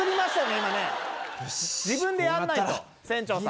今ね自分でやんないと船長さん